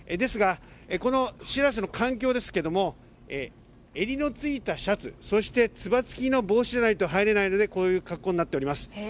この「しらせ」の環境ですが襟のついたシャツそしてつばつきの帽子じゃないと入れないのでこういう格好になっております。